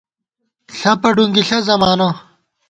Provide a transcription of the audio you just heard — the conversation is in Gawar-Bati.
ݪپہ ڈُنگِݪہ زمانہ